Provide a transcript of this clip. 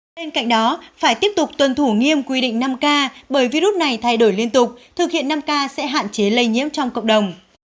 bên cạnh đó phải tiếp tục tuân thủ nghiêm quy định năm k bởi virus này thay đổi liên tục thực hiện năm k sẽ hạn chế lây nhiễm trong cộng đồng